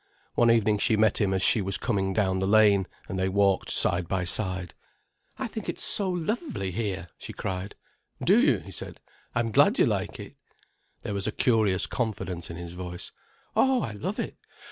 One evening she met him as she was coming down the lane, and they walked side by side. "I think it's so lovely here," she cried. "Do you?" he said. "I'm glad you like it." There was a curious confidence in his voice. "Oh, I love it.